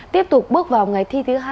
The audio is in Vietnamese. tiếp tục bước vào ngày thi thứ hai